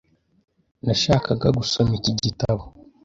Nashakaga gusoma iki gitabo .